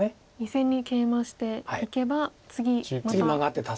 ２線にケイマしていけば次また。